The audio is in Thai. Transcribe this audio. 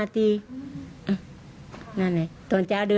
ต่อแป๊บนัด